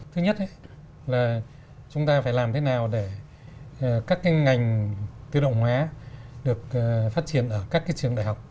thứ nhất là chúng ta phải làm thế nào để các cái ngành tự động hóa được phát triển ở các cái trường đại học